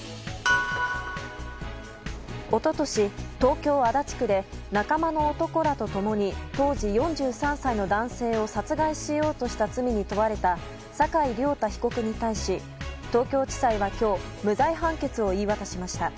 一昨年、東京・足立区で仲間の男らと共に当時４３歳の男性を殺害しようとした罪に問われた酒井亮太被告に対し東京地裁は今日無罪判決を言い渡しました。